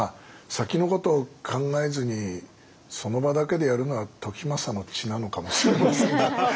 先のことを考えずにその場だけでやるのは時政の血なのかもしれませんね。